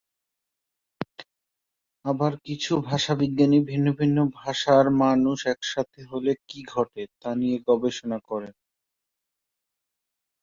আবার কিছু ভাষাবিজ্ঞানী ভিন্ন ভিন্ন ভাষার মানুষ একসাথে হলে কী ঘটে, তা নিয়ে গবেষণা করেন।